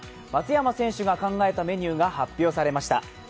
松山選手が考えたメニューが発表されました。